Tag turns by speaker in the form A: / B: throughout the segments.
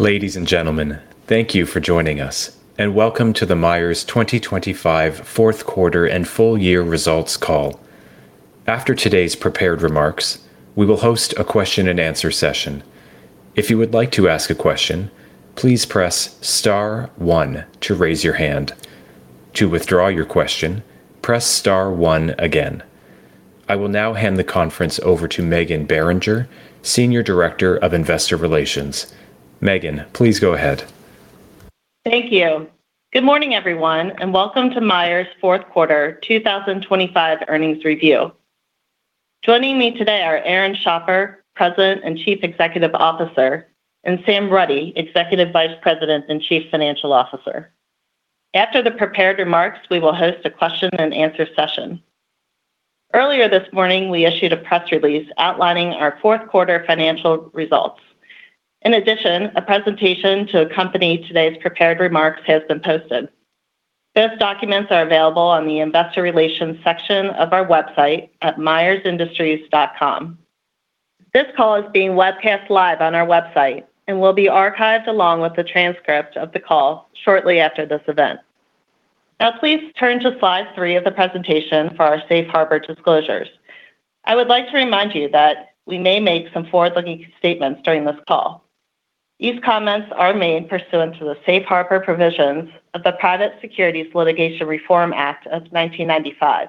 A: Ladies and gentlemen, thank you for joining us, and welcome to the Myers 2025 fourth quarter and full year results call. After today's prepared remarks, we will host a question and answer session. If you would like to ask a question, please press star one to raise your hand. To withdraw your question, press star one again. I will now hand the conference over to Meghan Beringer, Senior Director of Investor Relations. Meghan, please go ahead.
B: Thank you. Good morning, everyone, and welcome to Myers' fourth quarter 2025 earnings review. Joining me today are Aaron Schapper, President and Chief Executive Officer, and Samantha Rutty, Executive Vice President and Chief Financial Officer. After the prepared remarks, we will host a question and answer session. Earlier this morning, we issued a press release outlining our fourth quarter financial results. In addition, a presentation to accompany today's prepared remarks has been posted. Both documents are available on the investor relations section of our website at myersindustries.com. This call is being webcast live on our website and will be archived along with the transcript of the call shortly after this event. Now, please turn to slide three of the presentation for our safe harbor disclosures. I would like to remind you that we may make some forward-looking statements during this call. These comments are made pursuant to the safe harbor provisions of the Private Securities Litigation Reform Act of 1995.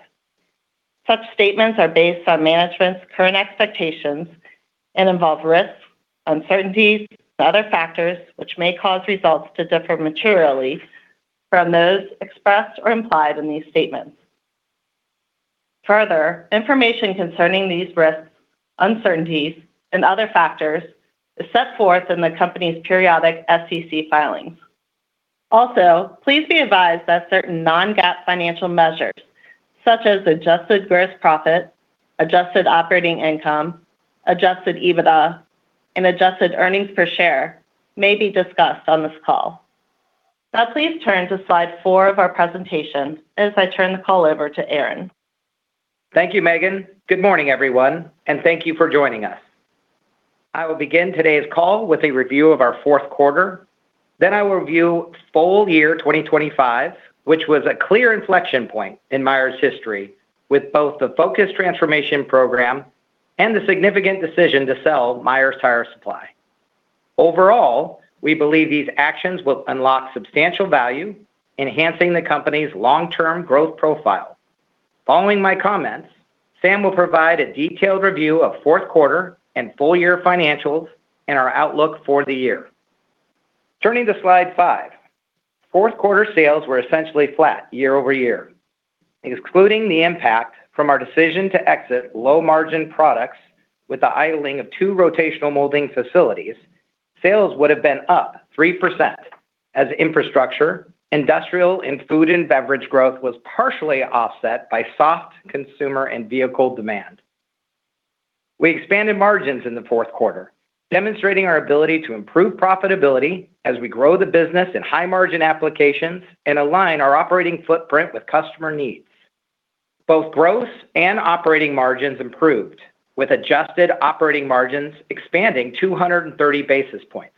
B: Such statements are based on management's current expectations and involve risks, uncertainties and other factors which may cause results to differ materially from those expressed or implied in these statements. Information concerning these risks, uncertainties and other factors is set forth in the company's periodic SEC filings. Please be advised that certain non-GAAP financial measures such as adjusted gross profit, adjusted operating income, adjusted EBITDA, and adjusted earnings per share may be discussed on this call. Please turn to slide four of our presentation as I turn the call over to Aaron.
C: Thank you, Meghan. Good morning, everyone, and thank you for joining us. I will begin today's call with a review of our fourth quarter, then I will review full year 2025, which was a clear inflection point in Myers' history with both the focused transformation program and the significant decision to sell Myers Tire Supply. Overall, we believe these actions will unlock substantial value, enhancing the company's long-term growth profile. Following my comments, Sam will provide a detailed review of fourth quarter and full year financials and our outlook for the year. Turning to slide five. Fourth quarter sales were essentially flat year-over-year. Excluding the impact from our decision to exit low-margin products with the idling of two rotational molding facilities, sales would have been up 3% as infrastructure, industrial and food and beverage growth was partially offset by soft consumer and vehicle demand. We expanded margins in the fourth quarter, demonstrating our ability to improve profitability as we grow the business in high-margin applications and align our operating footprint with customer needs. Both gross and operating margins improved, with adjusted operating margins expanding 230 basis points.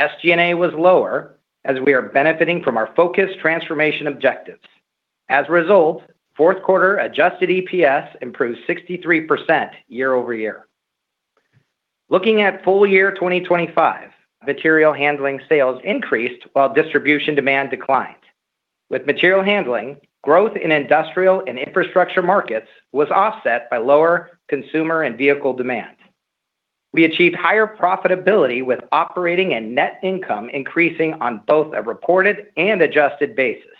C: SG&A was lower as we are benefiting from our focused transformation objectives. As a result, fourth quarter adjusted EPS improved 63% year-over-year. Looking at full year 2025, material handling sales increased while distribution demand declined. With material handling, growth in industrial and infrastructure markets was offset by lower consumer and vehicle demand. We achieved higher profitability with operating and net income increasing on both a reported and adjusted basis.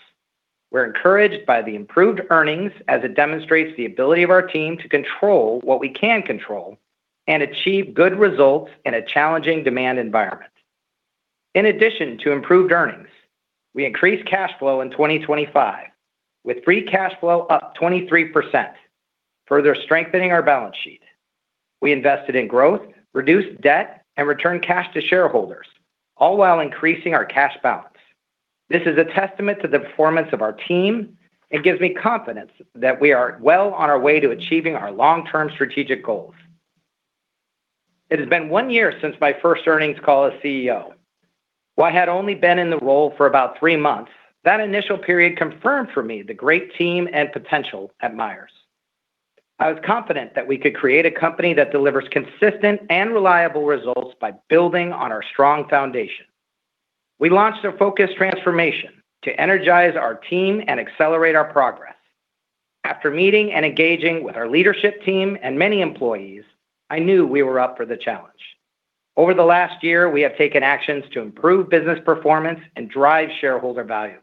C: We're encouraged by the improved earnings as it demonstrates the ability of our team to control what we can control and achieve good results in a challenging demand environment. In addition to improved earnings, we increased cash flow in 2025, with free cash flow up 23%, further strengthening our balance sheet. We invested in growth, reduced debt, and returned cash to shareholders, all while increasing our cash balance. This is a testament to the performance of our team and gives me confidence that we are well on our way to achieving our long-term strategic goals. It has been one year since my first earnings call as CEO. While I had only been in the role for about three months, that initial period confirmed for me the great team and potential at Myers. I was confident that we could create a company that delivers consistent and reliable results by building on our strong foundation. We launched a focused transformation to energize our team and accelerate our progress. After meeting and engaging with our leadership team and many employees, I knew we were up for the challenge. Over the last year, we have taken actions to improve business performance and drive shareholder value.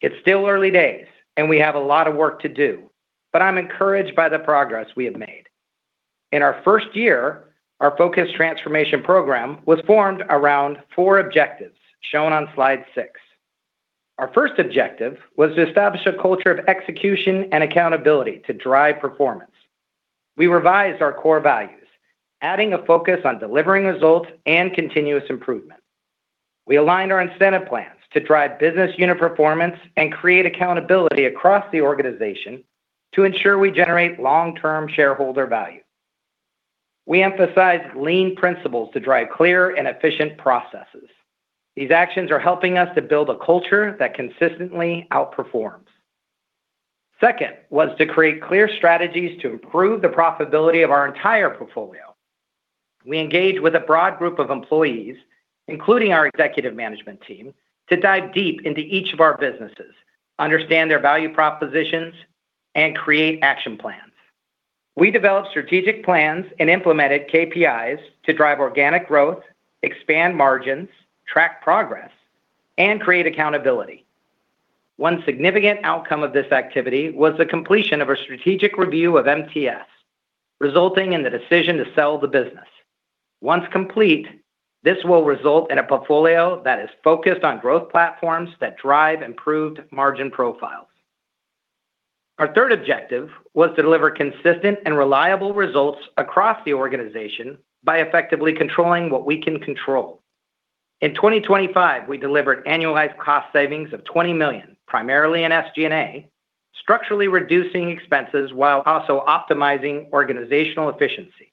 C: It's still early days and we have a lot of work to do, but I'm encouraged by the progress we have made. In our first year, our focused transformation program was formed around four objectives shown on slide six. Our first objective was to establish a culture of execution and accountability to drive performance. We revised our core values, adding a focus on delivering results and continuous improvement. We aligned our incentive plans to drive business unit performance and create accountability across the organization to ensure we generate long-term shareholder value. We emphasize lean principles to drive clear and efficient processes. These actions are helping us to build a culture that consistently outperforms. Second was to create clear strategies to improve the profitability of our entire portfolio. We engage with a broad group of employees, including our executive management team, to dive deep into each of our businesses, understand their value propositions, and create action plans. We developed strategic plans and implemented KPIs to drive organic growth, expand margins, track progress, and create accountability. One significant outcome of this activity was the completion of a strategic review of MTS, resulting in the decision to sell the business. Once complete, this will result in a portfolio that is focused on growth platforms that drive improved margin profiles. Our third objective was to deliver consistent and reliable results across the organization by effectively controlling what we can control. In 2025, we delivered annualized cost savings of $20 million, primarily in SG&A, structurally reducing expenses while also optimizing organizational efficiency.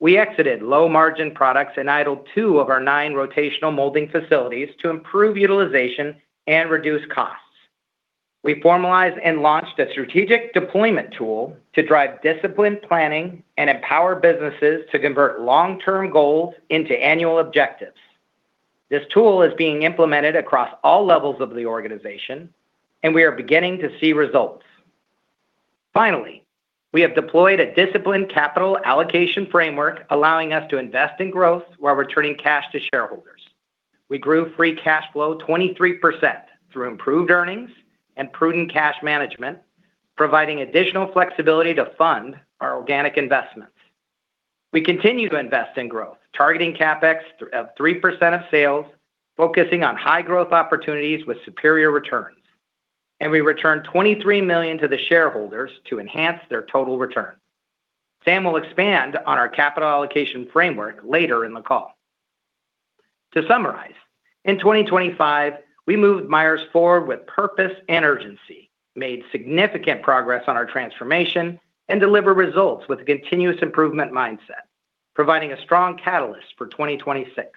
C: We exited low-margin products and idled two of our nine rotational molding facilities to improve utilization and reduce costs. We formalized and launched a strategic deployment tool to drive disciplined planning and empower businesses to convert long-term goals into annual objectives. This tool is being implemented across all levels of the organization, we are beginning to see results. Finally, we have deployed a disciplined capital allocation framework allowing us to invest in growth while returning cash to shareholders. We grew free cash flow 23% through improved earnings and prudent cash management, providing additional flexibility to fund our organic investments. We continue to invest in growth, targeting CapEx 3% of sales, focusing on high-growth opportunities with superior returns. We return $23 million to the shareholders to enhance their total return. Sam will expand on our capital allocation framework later in the call. To summarize, in 2025, we moved Myers forward with purpose and urgency, made significant progress on our transformation, and delivered results with a continuous improvement mindset, providing a strong catalyst for 2026.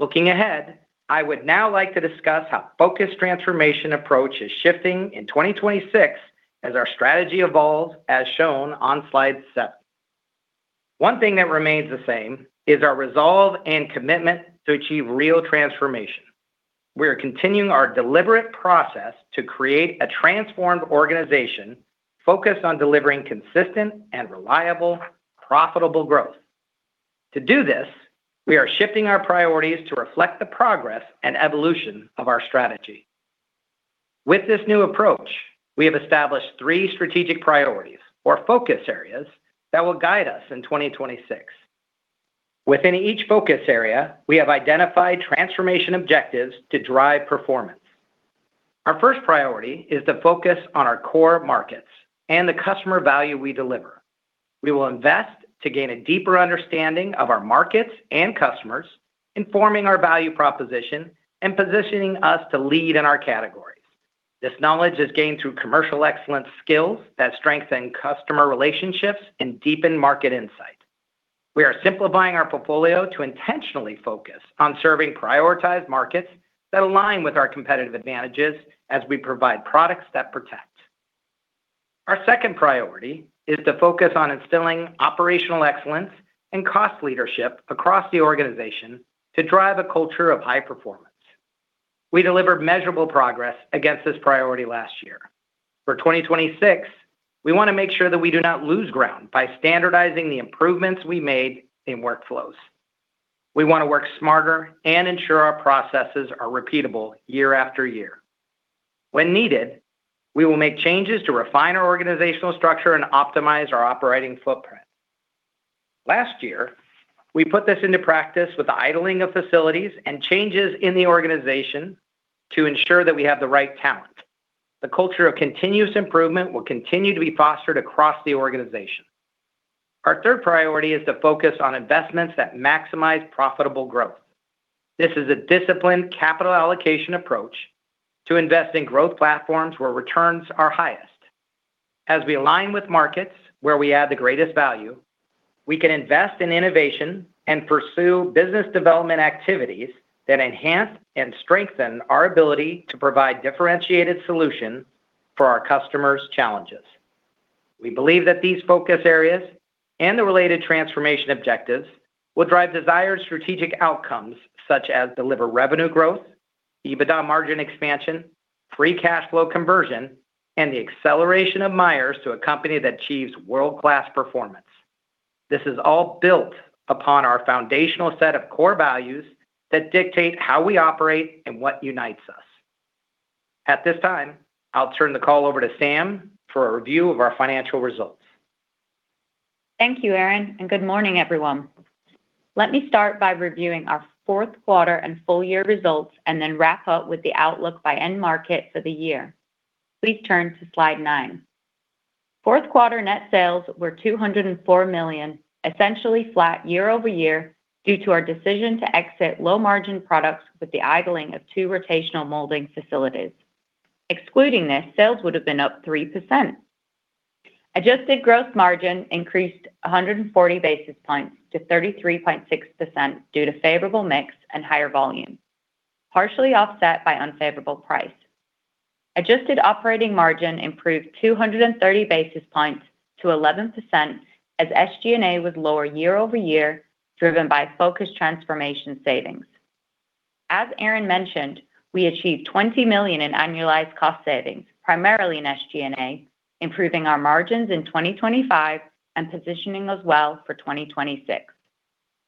C: Looking ahead, I would now like to discuss how focused transformation approach is shifting in 2026 as our strategy evolves, as shown on slide seven. One thing that remains the same is our resolve and commitment to achieve real transformation. We are continuing our deliberate process to create a transformed organization focused on delivering consistent and reliable, profitable growth. To do this, we are shifting our priorities to reflect the progress and evolution of our strategy. With this new approach, we have established three strategic priorities or focus areas that will guide us in 2026. Within each focus area, we have identified transformation objectives to drive performance. Our first priority is to focus on our core markets and the customer value we deliver. We will invest to gain a deeper understanding of our markets and customers, informing our value proposition and positioning us to lead in our categories. This knowledge is gained through commercial excellence skills that strengthen customer relationships and deepen market insight. We are simplifying our portfolio to intentionally focus on serving prioritized markets that align with our competitive advantages as we provide products that protect. Our second priority is to focus on instilling operational excellence and cost leadership across the organization to drive a culture of high performance. We delivered measurable progress against this priority last year. For 2026, we wanna make sure that we do not lose ground by standardizing the improvements we made in workflows. We wanna work smarter and ensure our processes are repeatable year after year. When needed, we will make changes to refine our organizational structure and optimize our operating footprint. Last year, we put this into practice with the idling of facilities and changes in the organization to ensure that we have the right talent. The culture of continuous improvement will continue to be fostered across the organization. Our third priority is to focus on investments that maximize profitable growth. This is a disciplined capital allocation approach to invest in growth platforms where returns are highest. As we align with markets where we add the greatest value, we can invest in innovation and pursue business development activities that enhance and strengthen our ability to provide differentiated solutions for our customers' challenges. We believe that these focus areas and the related transformation objectives will drive desired strategic outcomes, such as deliver revenue growth, EBITDA margin expansion, free cash flow conversion, and the acceleration of Myers to a company that achieves world-class performance. This is all built upon our foundational set of core values that dictate how we operate and what unites us. At this time, I'll turn the call over to Sam for a review of our financial results.
D: Thank you, Aaron. Good morning, everyone. Let me start by reviewing our fourth quarter and full year results and then wrap up with the outlook by end market for the year. Please turn to slide nine. Fourth quarter net sales were $204 million, essentially flat year-over-year due to our decision to exit low margin products with the idling of two rotational molding facilities. Excluding this, sales would have been up 3%. Adjusted gross margin increased 140 basis points to 33.6% due to favorable mix and higher volume, partially offset by unfavorable price. Adjusted operating margin improved 230 basis points to 11% as SG&A was lower year-over-year, driven by focused transformation savings. As Aaron mentioned, we achieved $20 million in annualized cost savings, primarily in SG&A, improving our margins in 2025 and positioning us well for 2026.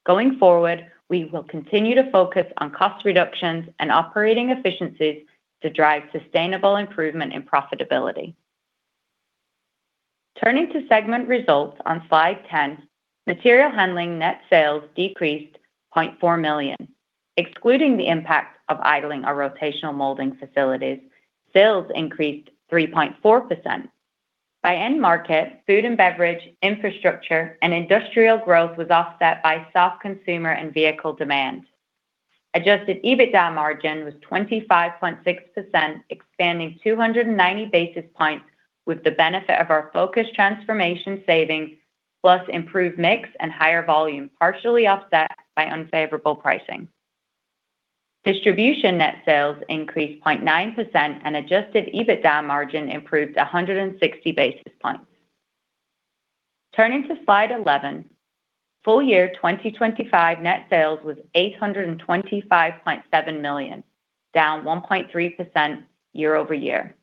D: Going forward, we will continue to focus on cost reductions and operating efficiencies to drive sustainable improvement in profitability. Turning to segment results on Slide 10, Material Handling net sales decreased $0.4 million. Excluding the impact of idling our rotational molding facilities, sales increased 3.4%. By end market, food and beverage, infrastructure, and industrial growth was offset by soft consumer and vehicle demand. Adjusted EBITDA margin was 25.6%, expanding 290 basis points with the benefit of our focused transformation savings plus improved mix and higher volume, partially offset by unfavorable pricing. Distribution net sales increased 0.9% and adjusted EBITDA margin improved 160 basis points. Turning to Slide 11, full year 2025 net sales was $825.7 million, down 1.3% year-over-year.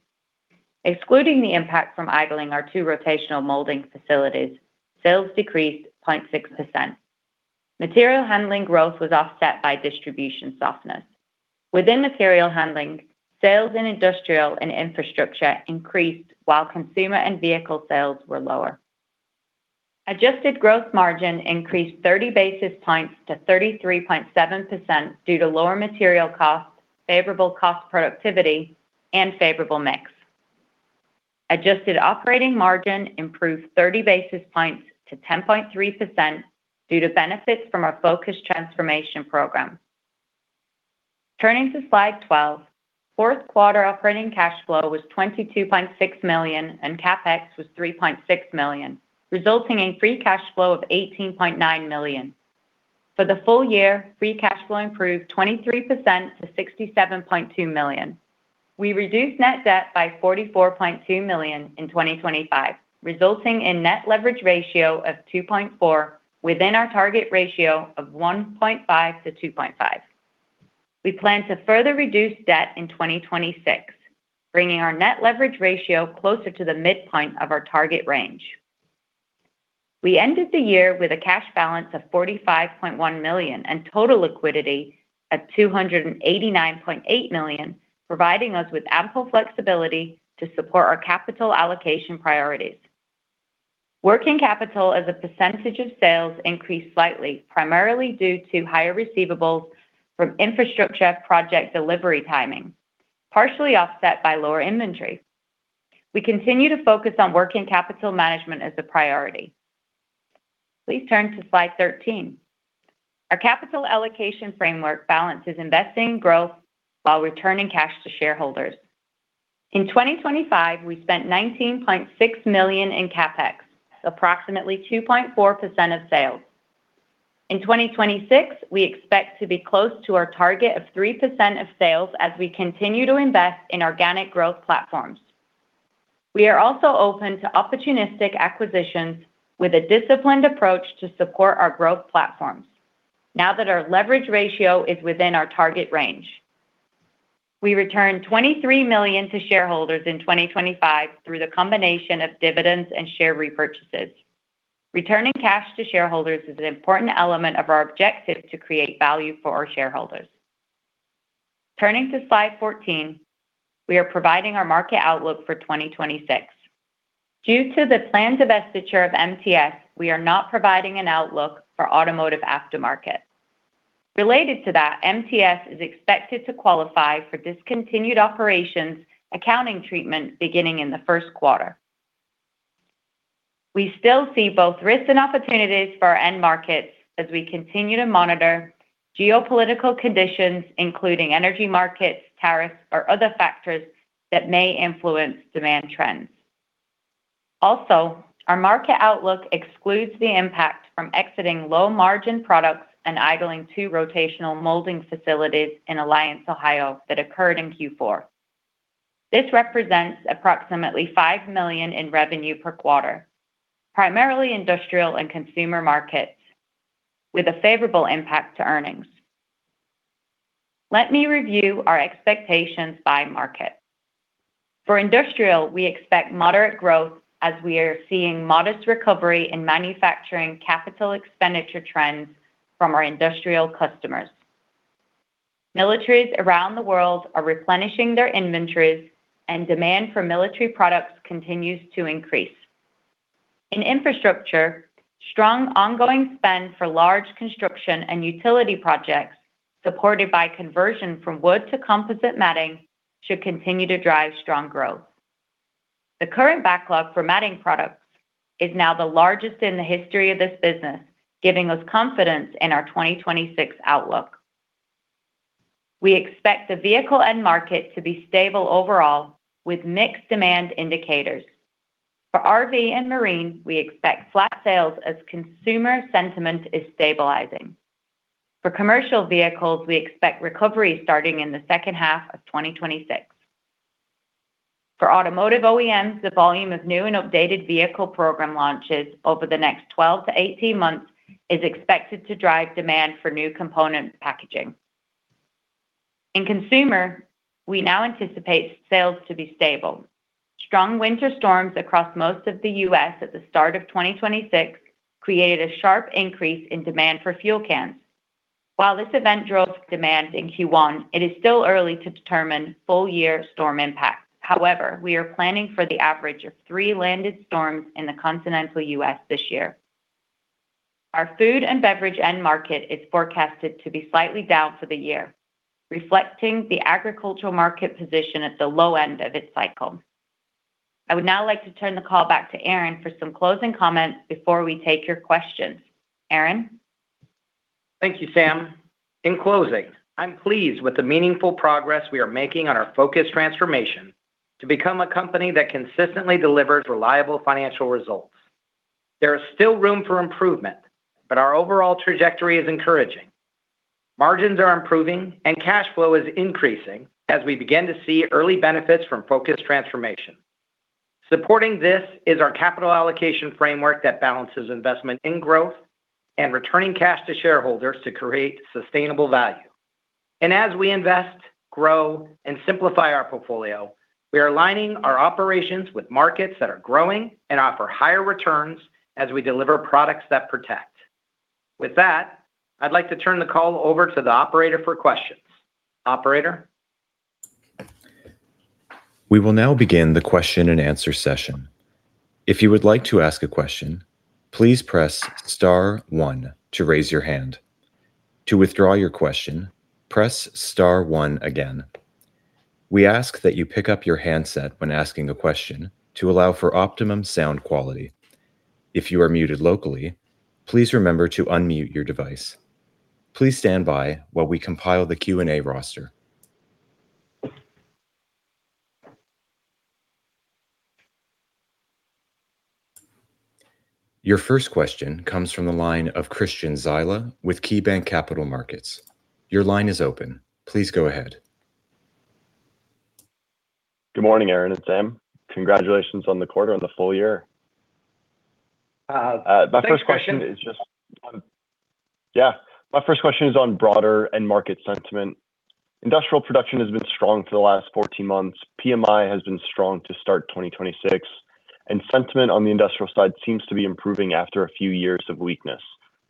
D: Excluding the impact from idling our two rotational molding facilities, sales decreased 0.6%. Material Handling growth was offset by Distribution softness. Within material handling, sales in industrial and infrastructure increased while consumer and vehicle sales were lower. Adjusted gross margin increased 30 basis points to 33.7% due to lower material costs, favorable cost productivity, and favorable mix. Adjusted operating margin improved 30 basis points to 10.3% due to benefits from our focused transformation program. Turning to Slide 12, fourth quarter operating cash flow was $22.6 million and CapEx was $3.6 million, resulting in free cash flow of $18.9 million. For the full year, free cash flow improved 23% to $67.2 million. We reduced net debt by $44.2 million in 2025, resulting in net leverage ratio of 2.4 within our target ratio of 1.5-2.5. We plan to further reduce debt in 2026, bringing our net leverage ratio closer to the midpoint of our target range. We ended the year with a cash balance of $45.1 million and total liquidity at $289.8 million, providing us with ample flexibility to support our capital allocation priorities. Working capital as a percentage of sales increased slightly, primarily due to higher receivables from infrastructure project delivery timing, partially offset by lower inventory. We continue to focus on working capital management as a priority. Please turn to Slide 13. Our capital allocation framework balances investing growth while returning cash to shareholders. In 2025, we spent $19.6 million in CapEx, approximately 2.4% of sales. In 2026, we expect to be close to our target of 3% of sales as we continue to invest in organic growth platforms. We are also open to opportunistic acquisitions with a disciplined approach to support our growth platforms now that our leverage ratio is within our target range. We returned $23 million to shareholders in 2025 through the combination of dividends and share repurchases. Returning cash to shareholders is an important element of our objective to create value for our shareholders. Turning to Slide 14, we are providing our market outlook for 2026. Due to the planned divestiture of MTS, we are not providing an outlook for automotive aftermarket. Related to that, MTS is expected to qualify for discontinued operations accounting treatment beginning in the first quarter. We still see both risks and opportunities for our end markets as we continue to monitor geopolitical conditions, including energy markets, tariffs, or other factors that may influence demand trends. Also, our market outlook excludes the impact from exiting low margin products and idling two rotational molding facilities in Alliance, Ohio that occurred in Q4. This represents approximately $5 million in revenue per quarter, primarily industrial and consumer markets with a favorable impact to earnings. Let me review our expectations by market. For industrial, we expect moderate growth as we are seeing modest recovery in manufacturing capital expenditure trends from our industrial customers. Militaries around the world are replenishing their inventories and demand for military products continues to increase. In infrastructure, strong ongoing spend for large construction and utility projects supported by conversion from wood to composite matting should continue to drive strong growth. The current backlog for matting products is now the largest in the history of this business, giving us confidence in our 2026 outlook. We expect the vehicle end market to be stable overall with mixed demand indicators. For RV and marine, we expect flat sales as consumer sentiment is stabilizing. For commercial vehicles, we expect recovery starting in the second half of 2026. For automotive OEMs, the volume of new and updated vehicle program launches over the next 12-18 months is expected to drive demand for new component packaging. In consumer, we now anticipate sales to be stable. Strong winter storms across most of the U.S. at the start of 2026 created a sharp increase in demand for fuel cans. While this event drove demand in Q1, it is still early to determine full year storm impact. However, we are planning for the average of three landed storms in the continental U.S. this year. Our food and beverage end market is forecasted to be slightly down for the year, reflecting the agricultural market position at the low end of its cycle. I would now like to turn the call back to Aaron for some closing comments before we take your questions. Aaron?
C: Thank you, Sam. In closing, I'm pleased with the meaningful progress we are making on our focused transformation to become a company that consistently delivers reliable financial results. There is still room for improvement, but our overall trajectory is encouraging. Margins are improving, cash flow is increasing as we begin to see early benefits from focused transformation. Supporting this is our capital allocation framework that balances investment in growth and returning cash to shareholders to create sustainable value. As we invest, grow, and simplify our portfolio, we are aligning our operations with markets that are growing and offer higher returns as we deliver products that protect. With that, I'd like to turn the call over to the operator for questions. Operator?
A: We will now begin the question-and-answer session. If you would like to ask a question, please press star one to raise your hand. To withdraw your question, press star one again. We ask that you pick up your handset when asking a question to allow for optimum sound quality. If you are muted locally, please remember to unmute your device. Please stand by while we compile the Q&A roster. Your first question comes from the line of Christian Zila with KeyBanc Capital Markets. Your line is open. Please go ahead.
E: Good morning, Aaron and Sam. Congratulations on the quarter, on the full year.
C: Thanks, Christian.
E: Yeah. My first question is on broader end market sentiment. Industrial production has been strong for the last 14 months. PMI has been strong to start 2026, and sentiment on the industrial side seems to be improving after a few years of weakness.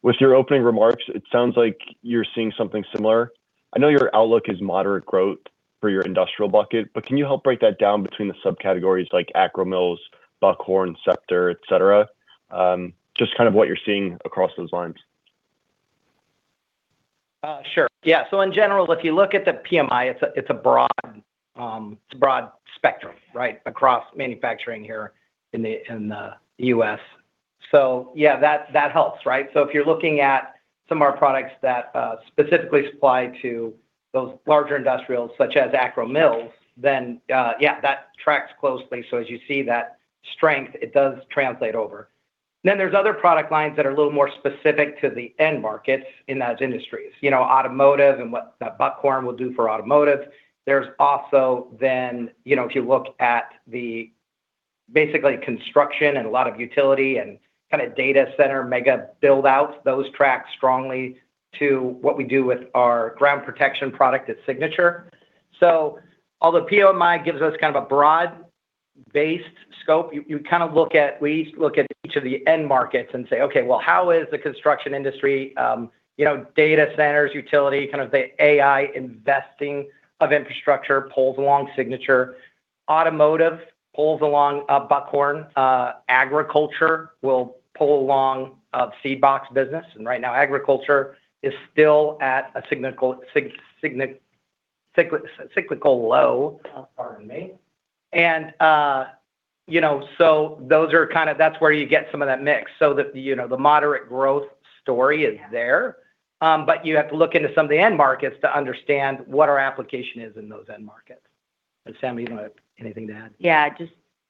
E: With your opening remarks, it sounds like you're seeing something similar. I know your outlook is moderate growth for your industrial bucket, but can you help break that down between the subcategories like Akro-Mils, Buckhorn, Scepter, et cetera? just kind of what you're seeing across those lines?
C: Sure. Yeah. In general, if you look at the PMI, it's a, it's a broad, it's a broad spectrum, right? Across manufacturing here in the U.S. Yeah, that helps, right? If you're looking at some of our products that specifically supply to those larger industrials, such as Akro-Mils, then, yeah, that tracks closely. As you see that strength, it does translate over. There's other product lines that are a little more specific to the end markets in those industries. You know, automotive and what Buckhorn will do for automotive. Also, you know, if you look at the basically construction and a lot of utility and kind of data center mega build-outs, those track strongly to what we do with our ground protection product at Signature. Although PMI gives us kind of a broad-based scope, you kind of look at we look at each of the end markets and say, "Okay, well, how is the construction industry?" You know, data centers, utility, kind of the AI investing of infrastructure pulls along Signature. Automotive pulls along Buckhorn. Agriculture will pull along our Seedbox business. Right now, agriculture is still at a cyclical low. Pardon me. You know, those are That's where you get some of that mix so that, you know, the moderate growth story is there. You have to look into some of the end markets to understand what our application is in those end markets. Sam, you going to have anything to add?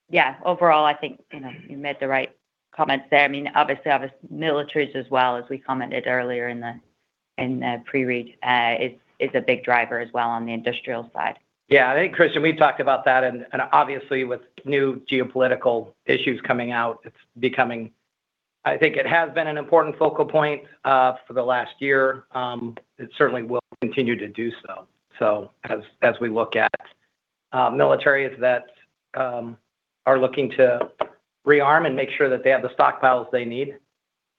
D: Yeah. Overall, I think, you know, you made the right comments there. I mean, obviously, obvious militaries as well, as we commented earlier in the pre-read, is a big driver as well on the industrial side.
C: Yeah. I think, Christian, we've talked about that and obviously with new geopolitical issues coming out, it's becoming I think it has been an important focal point for the last year. It certainly will continue to do so. As we look at militaries that are looking to rearm and make sure that they have the stockpiles they need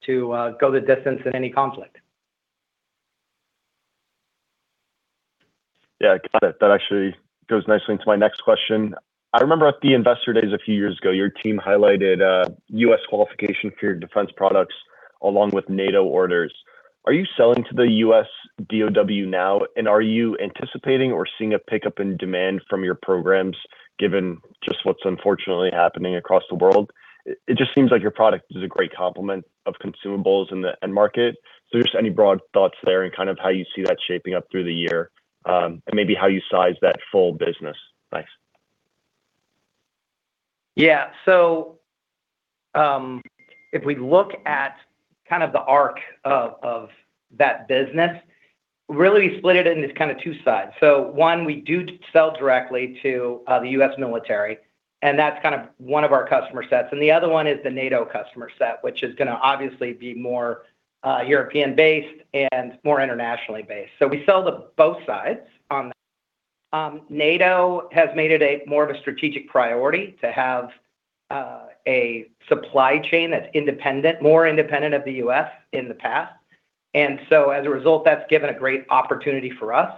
C: to go the distance in any conflict.
E: Yeah, that actually goes nicely into my next question. I remember at the investor days a few years ago, your team highlighted U.S. qualification for your defense products along with NATO orders. Are you selling to the U.S. Dow now, and are you anticipating or seeing a pickup in demand from your programs, given just what's unfortunately happening across the world? It just seems like your product is a great complement of consumables in the end market. Just any broad thoughts there and kind of how you see that shaping up through the year, and maybe how you size that full business. Thanks.
D: Yeah. If we look at kind of the arc of that business, really we split it into kind of two sides. One, we do sell directly to the U.S. military, and that's kind of one of our customer sets. The other one is the NATO customer set, which is gonna obviously be more European-based and more internationally based. We sell to both sides on that. NATO has made it more of a strategic priority to have a supply chain that's independent, more independent of the U.S. in the past. As a result, that's given a great opportunity for us.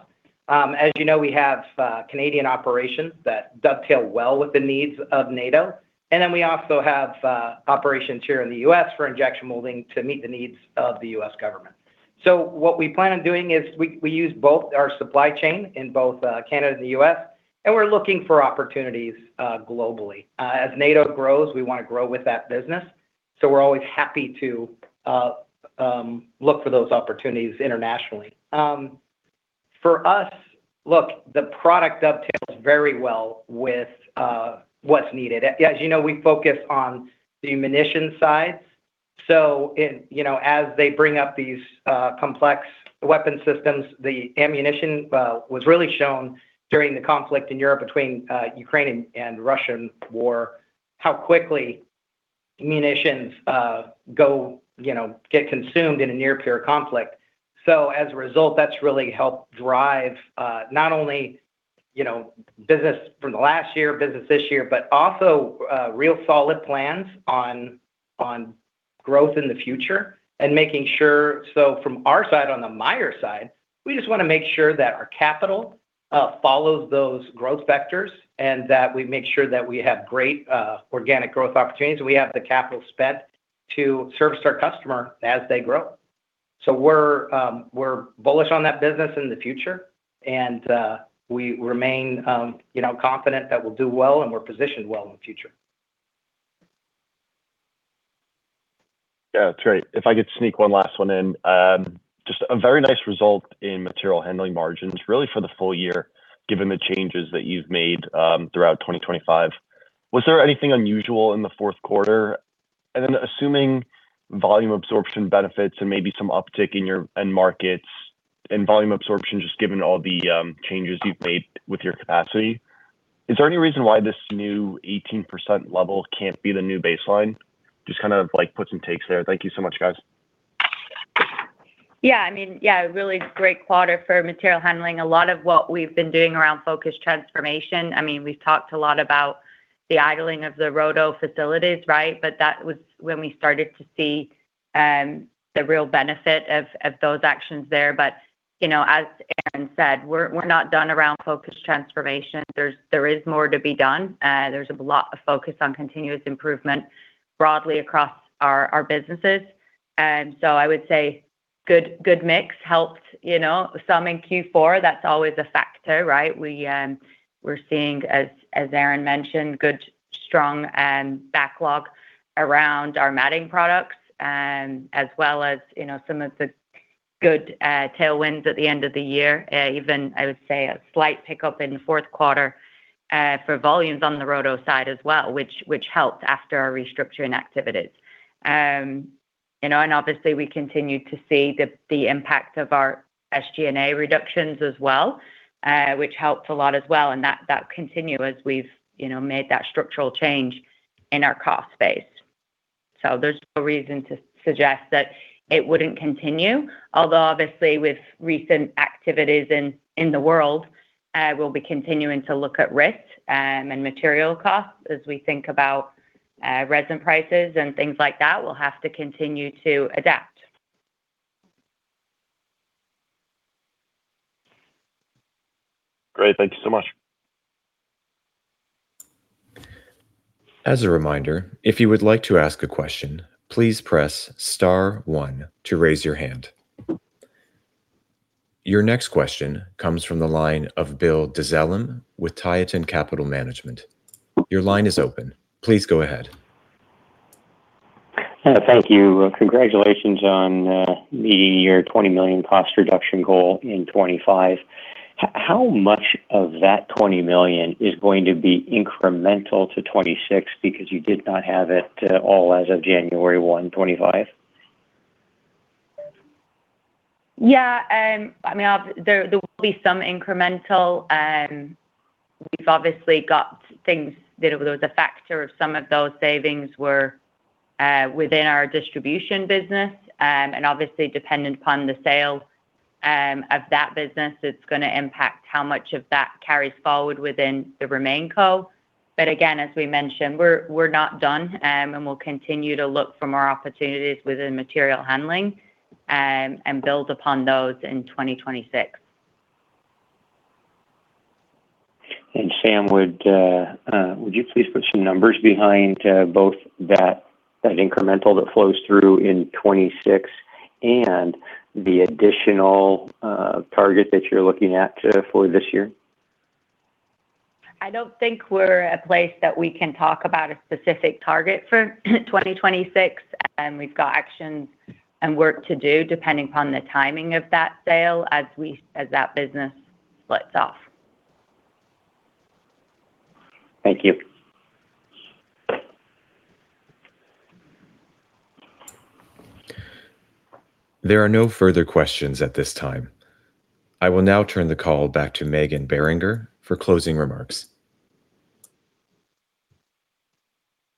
D: As you know, we have Canadian operations that dovetail well with the needs of NATO. We also have operations here in the U.S. for injection molding to meet the needs of the U.S. government. What we plan on doing is we use both our supply chain in both Canada and the U.S., and we're looking for opportunities globally. As NATO grows, we wanna grow with that business. We're always happy to look for those opportunities internationally. For us, look, the product dovetails very well with what's needed. As you know, we focus on the munition sides. In, you know, as they bring up these complex weapon systems, the ammunition was really shown during the conflict in Europe between Ukraine and Russian war, how quickly munitions go, you know, get consumed in a near peer conflict. As a result, that's really helped drive, not only, you know, business from the last year, business this year, but also, real solid plans on growth in the future and making sure. From our side, on the Myers side, we just wanna make sure that our capital follows those growth vectors and that we make sure that we have great organic growth opportunities, and we have the capital spend to service our customer as they grow. We're bullish on that business in the future, and we remain, you know, confident that we'll do well and we're positioned well in the future.
E: Yeah, that's right. If I could sneak one last one in. Just a very nice result in material handling margins, really for the full year, given the changes that you've made, throughout 2025. Was there anything unusual in the fourth quarter? Assuming volume absorption benefits and maybe some uptick in your end markets and volume absorption, just given all the changes you've made with your capacity, is there any reason why this new 18% level can't be the new baseline? Just kinda like puts and takes there. Thank you so much, guys.
D: Really great quarter for material handling. A lot of what we've been doing around Focus Transformation. We've talked a lot about the idling of the roto facilities, right? That was when we started to see the real benefit of those actions there. You know, as Aaron said, we're not done around Focus Transformation. There is more to be done. There's a lot of focus on continuous improvement broadly across our businesses. I would say good mix helped, you know, some in Q4. That's always a factor, right? We're seeing as Aaron mentioned, good, strong backlog around our matting products, as well as, you know, some of the good tailwinds at the end of the year. Even I would say a slight pickup in the fourth quarter for volumes on the roto side as well, which helped after our restructuring activities. You know, obviously we continued to see the impact of our SG&A reductions as well, which helped a lot as well. That continue as we've, you know, made that structural change in our cost base. There's no reason to suggest that it wouldn't continue. Although obviously with recent activities in the world, we'll be continuing to look at risks and material costs as we think about resin prices and things like that. We'll have to continue to adapt.
E: Great. Thank you so much.
A: As a reminder, if you would like to ask a question, please press star one to raise your hand. Your next question comes from the line of Bill Dezellem with Tieton Capital Management. Your line is open. Please go ahead.
F: Thank you. Congratulations on meeting your $20 million cost reduction goal in 2025. How much of that $20 million is going to be incremental to 2026 because you did not have it all as of January 1, 2025?
D: Yeah. I mean, there will be some incremental. We've obviously got things that it was a factor of some of those savings were within our distribution business. Obviously dependent upon the sale of that business, it's gonna impact how much of that carries forward within the RemainCo. Again, as we mentioned, we're not done, and we'll continue to look for more opportunities within material handling, and build upon those in 2026.
F: Sam, would you please put some numbers behind that incremental that flows through in 2026 and the additional target that you're looking at for this year?
D: I don't think we're at place that we can talk about a specific target for 2026. We've got action and work to do depending upon the timing of that sale as that business splits off.
F: Thank you.
A: There are no further questions at this time. I will now turn the call back to Meghan Beringer for closing remarks.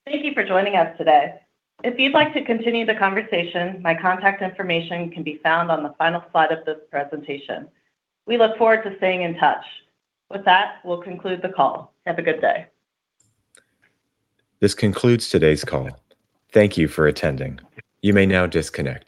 E: Thank you for joining us today. If you'd like to continue the conversation, my contact information can be found on the final slide of this presentation. We look forward to staying in touch. We'll conclude the call. Have a good day.
A: This concludes today's call. Thank you for attending. You may now disconnect.